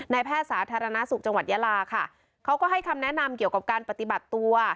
แพทย์สาธารณสุขจังหวัดยาลาค่ะเขาก็ให้คำแนะนำเกี่ยวกับการปฏิบัติตัว